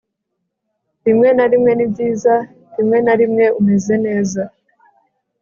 rimwe na rimwe ni byiza, rimwe na rimwe umeze neza